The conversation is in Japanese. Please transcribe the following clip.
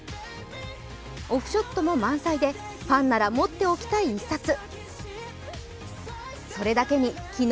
オフショットも満載でファンなら持っておきたい一冊。